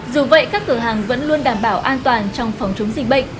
dù vậy các cửa hàng vẫn luôn đảm bảo an toàn trong phòng chống dịch bệnh